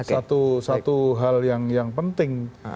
dan ini adalah satu hal yang penting